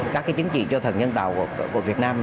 các cái chứng chỉ cho thận nhân tạo của việt nam